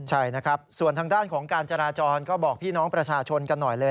ใช่นะครับส่วนทางด้านของการจราจรก็บอกพี่น้องประชาชนกันหน่อยเลย